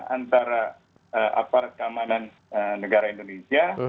antara aparat keamanan negara indonesia